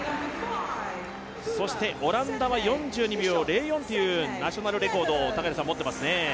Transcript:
オランダは４２秒０４というナショナルレコードを持ってますね。